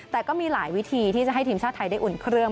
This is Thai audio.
แต่ก็มีหลายวิธีที่จะให้ทีมชาติไทยได้อุ่นเครื่อง